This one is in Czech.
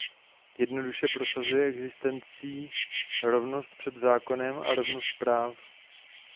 Jednoduše prosazuje existující rovnost před zákonem a rovnost práv.